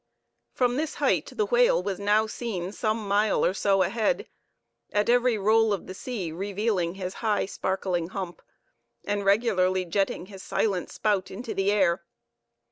From this height the whale was now seen some mile or so ahead, at every roll of the sea revealing his high sparkling hump, and regularly jetting his silent spout into the air.